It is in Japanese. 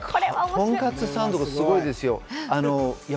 とんかつサンドがすごいですよ。